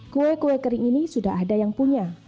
kue kue kering ini sudah ada yang punya